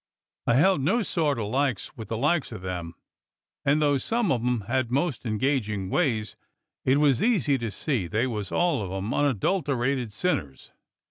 I held no sort o' likes with the likes o' them, and though some of 'em had most engagin* ways, it was easy to see that they was all of 'em un adulterated sinners.